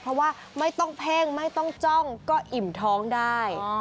เพราะว่าไม่ต้องเพ่งไม่ต้องจ้องก็อิ่มท้องได้